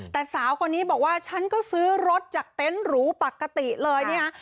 แต่สาวคนนี้บอกว่าฉันก็ซื้อรถจากเต็นต์หรูปกติเลยเนี่ย